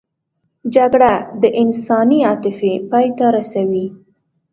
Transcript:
جګړه د انساني عاطفې پای ته رسوي